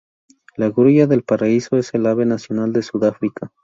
La grulla del paraíso es el ave nacional de Sudáfrica.